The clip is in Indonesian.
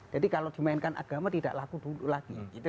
jadi kalau dimainkan agama tidak laku dulu lagi